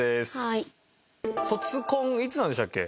卒コンいつなんでしたっけ？